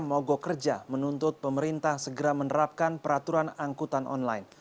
mogok kerja menuntut pemerintah segera menerapkan peraturan angkutan online